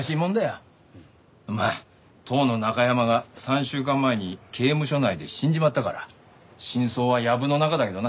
まあ当の中山が３週間前に刑務所内で死んじまったから真相はやぶの中だけどな。